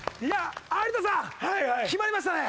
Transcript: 有田さん決まりましたね。